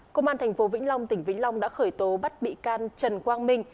công an thành phố vĩnh long tỉnh vĩnh long đã khởi tố bắt bị can trần quang minh